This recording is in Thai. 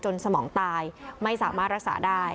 สมองตายไม่สามารถรักษาได้